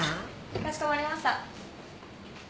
かしこまりました。